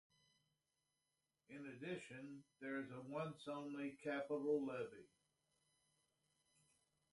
In addition, there is a once-only capital levy.